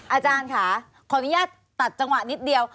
อาจารย์ค่ะขออนุญาตตัดจังหวะนิดเดียว